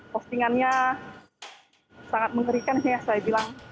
postingannya sangat mengerikan sih ya saya bilang